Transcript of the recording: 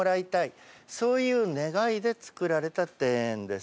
そういう願いでつくられた庭園です。